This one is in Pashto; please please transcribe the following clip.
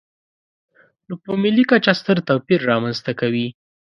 نو په ملي کچه ستر توپیر رامنځته کوي.